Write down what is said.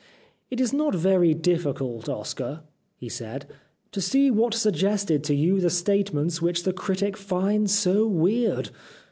"It is not very difficult, Oscar," he said, " to see what suggested to you the statements which the critic finds so weird.